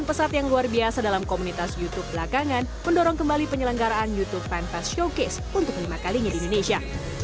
pesat yang luar biasa dalam komunitas youtube belakangan mendorong kembali penyelenggaraan youtube fanfest showcase untuk kelima kalinya di indonesia